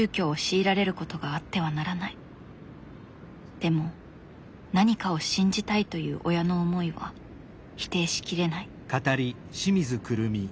でも何かを信じたいという親の思いは否定しきれない。